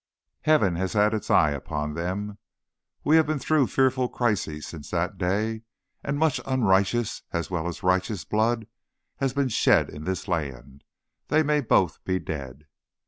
"Heaven has had its eye upon them. We have been through fearful crises since that day, and much unrighteous as well as righteous blood has been shed in this land. They may both be dead."